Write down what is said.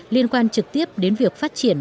liên quan trực tiếp đến việc phát triển